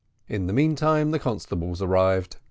In the meantime the constables arrived.